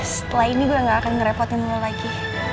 setelah ini gue gak akan ngerepotin gue lagi